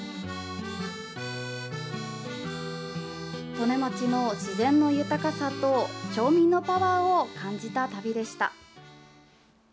利根町の自然の豊かさと町民のパワーを感じた旅でした。